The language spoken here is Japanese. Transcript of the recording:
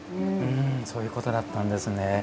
そういうことだったんですね。